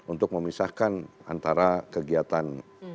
untuk memisahkan antara kegiatan